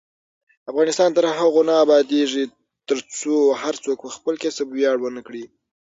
افغانستان تر هغو نه ابادیږي، ترڅو هر څوک په خپل کسب ویاړ ونه کړي.